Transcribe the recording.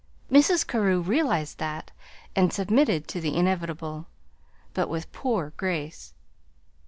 Mrs. Carew realized that, and submitted to the inevitable, but with poor grace.